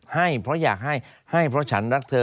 ให้เพราะอยากให้เพราะฉันรักเธอ